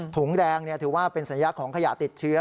ถุงแดงถือว่าเป็นสัญลักษณ์ของขยะติดเชื้อ